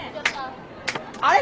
あれ？